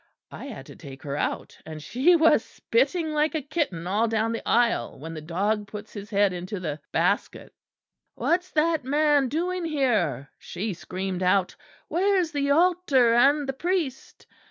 I had to take her out, and she was spitting like a kitten all down the aisle when the dog puts his head into the basket. "'What's that man doing here?' she screamed out; 'where's the altar and the priest?'